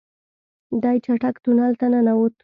دی چټک تونل ته ننوت.